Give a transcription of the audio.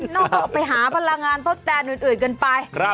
ออกไปหาพลังงานทดแทนอื่นกันไป